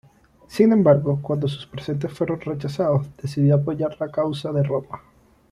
Sin embargo, cuando sus presentes fueron rechazados decidió apoyar la causa de Roma.